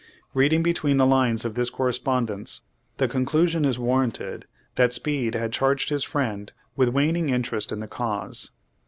Reading between the lines of this correspondence the conclusion is v/arranted that Speed had charged his friend with waning interest in the cause.